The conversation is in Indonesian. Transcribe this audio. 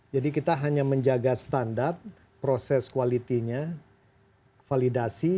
jadi kita hanya menjaga standar proses quality nya validasi